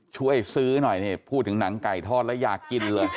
ช่วยซื้อหน่อยนี่พูดถึงหนังไก่ทอดแล้วอยากกินเลย